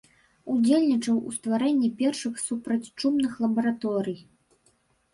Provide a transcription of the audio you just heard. Удзельнічаў ў стварэнні першых супрацьчумных лабараторый.